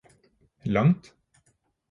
langt